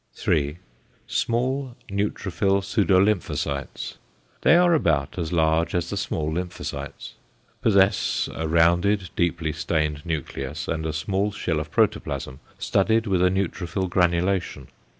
3. =Small neutrophil pseudolymphocytes.= They are about as large as the small lymphocytes, possess a rounded deeply stained nucleus, and a small shell of protoplasm studded with a neutrophil granulation.